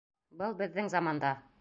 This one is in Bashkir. Был беҙҙең заманда.